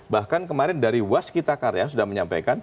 bahkan kemarin dari waskitakar ya sudah menyampaikan